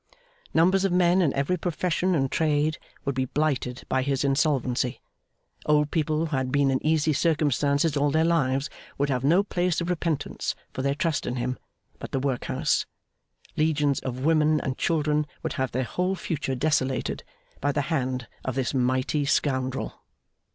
Numbers of men in every profession and trade would be blighted by his insolvency; old people who had been in easy circumstances all their lives would have no place of repentance for their trust in him but the workhouse; legions of women and children would have their whole future desolated by the hand of this mighty scoundrel.